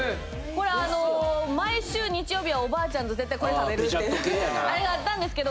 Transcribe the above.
これあの毎週日曜日はおばあちゃんと絶対これ食べるっていうアレがあったんですけど。